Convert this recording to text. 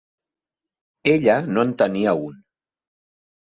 Ella no en tenia un.